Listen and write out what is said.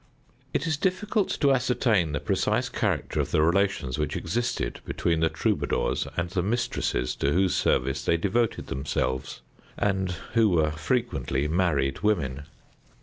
It is difficult to ascertain the precise character of the relations which existed between the Troubadours and the mistresses to whose service they devoted themselves, and who were frequently married women.